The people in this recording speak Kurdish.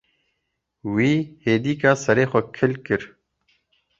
Wî hêdîka serê xwe kil kir.